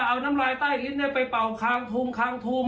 เอาน้ำลายใต้ลิ้นไปเป่าคางทงคางทุง